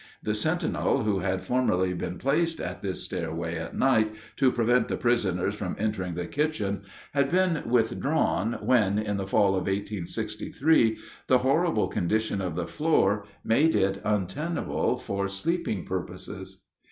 The sentinel who had formerly been placed at this stairway at night, to prevent the prisoners from entering the kitchen, had been withdrawn when, in the fall of 1863, the horrible condition of the floor made it untenable for sleeping purposes.